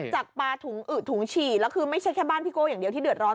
จากปลาถุงอึดถุงฉี่แล้วคือไม่ใช่แค่บ้านพี่โก้อย่างเดียวที่เดือดร้อน